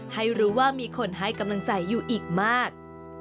ให้รู้ว่ามีคนให้กำลังใจอยู่อีกมาก